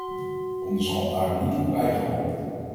Onderschat daarom niet uw eigen rol.